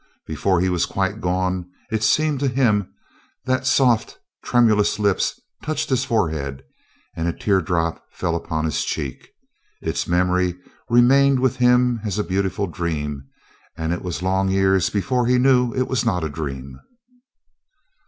Before he was quite gone, it seemed to him that soft, tremulous lips touched his forehead, and a tear drop fell upon his cheek. Its memory remained with him as a beautiful dream, and it was long years before he knew it was not a dream.